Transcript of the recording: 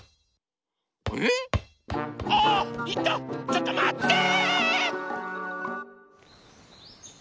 ちょっとまって！